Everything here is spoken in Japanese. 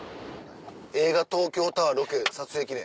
「映画『東京タワー』ロケ撮影記念」。